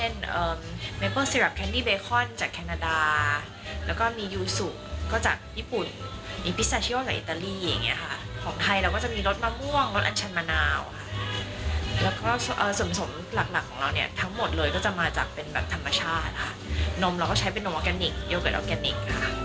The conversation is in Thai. นมเราก็ใช้เป็นนมออกแกนิกยูเกิร์ตออกแกนิก